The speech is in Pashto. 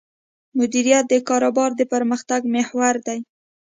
مدیریت د کاروبار د پرمختګ محور دی.